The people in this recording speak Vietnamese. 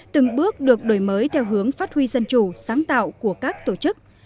từng bước được đổi mới theo hướng phát huy dân chủ sáng tạo của các tổ chức